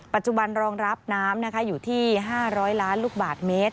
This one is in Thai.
รองรับน้ำอยู่ที่๕๐๐ล้านลูกบาทเมตร